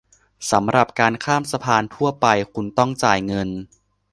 สำหรับการข้ามสะพานทั่วไป คุณต้องจ่ายเงิน